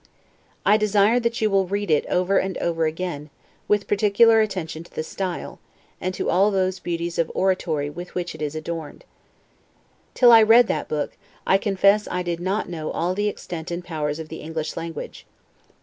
] I desire that you will read it over and over again, with particular attention to the style, and to all those beauties of oratory with which it is adorned. Till I read that book, I confess I did not know all the extent and powers of the English language.